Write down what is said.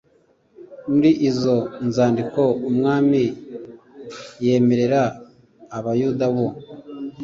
Muri izo nzandiko umwami yemerera Abayuda bo